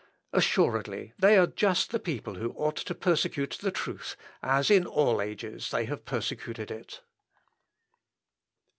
Assuredly they are just the people who ought to persecute the truth, as in all ages they have persecuted it."